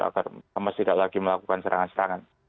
agar hamas tidak lagi melakukan serangan serangan